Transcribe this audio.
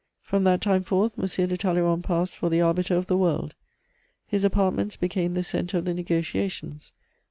From that time forth, M. de Talleyrand passed for the arbiter of the world; his apartments became the centre of the negociations.